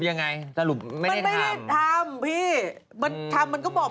สรุปยังไงสรุปไม่ได้ทำ